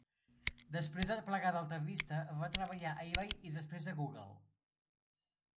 Després de plegar d'AltaVista, va treballar a eBay i després a Google.